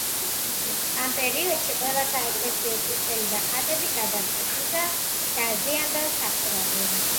ამ პერიოდში ყველა საეკლესიო ჭურჭელი და ხატები გადარჩა, თუმცა დაზიანდა სახურავი.